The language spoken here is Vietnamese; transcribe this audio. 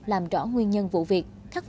làm rõ nguyên nhân vụ việc